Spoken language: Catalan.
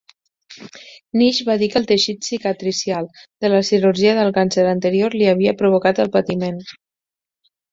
Nitschke va dir que el teixit cicatricial de la cirurgia del càncer anterior li havia provocat el patiment.